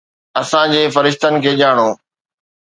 اسان جي فرشتن کي ڄاڻو.